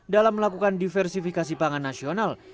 dalam melakukan diversifikasi pangan nasional